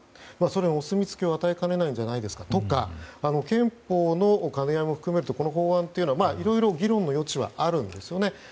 それにお墨付きを与えかねないんじゃないですかとか憲法との兼ね合いも含めるとこの法案というのはいろいろ議論の余地はあるんですよね。